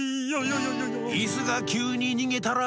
「イスがきゅうににげたら」